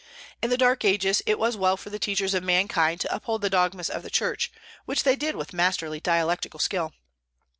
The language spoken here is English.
In the Dark Ages it was well for the teachers of mankind to uphold the dogmas of the Church, which they did with masterly dialectical skill.